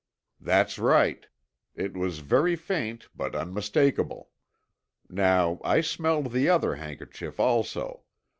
"That's right. It was very faint, but unmistakable. Now, I smelled the other handkerchief also.